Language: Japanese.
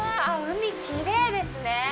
海きれいですね。